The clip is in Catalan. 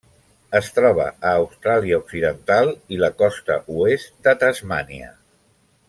Es troba a Austràlia Occidental i la costa oest de Tasmània.